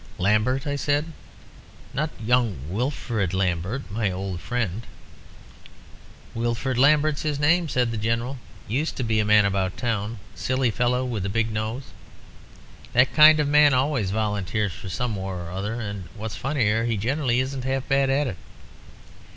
"'Lambert!' I said. 'Not young Wilfrid Lambert my old friend.' "'Wilfrid Lambert's his name,' said the General; 'used to be a "man about town;" silly fellow with a big nose. That kind of man always volunteers for some war or other; and what's funnier, he generally isn't half bad at it.